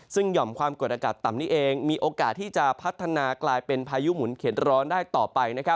ซึ่งหย่อมความกดอากาศต่ำนี้เองมีโอกาสที่จะพัฒนากลายเป็นพายุหมุนเข็ดร้อนได้ต่อไป